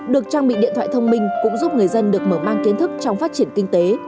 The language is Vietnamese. được trang bị điện thoại thông minh cũng giúp người dân được mở mang kiến thức trong phát triển kinh tế